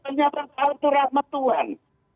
ternyata takut rahmat tuhan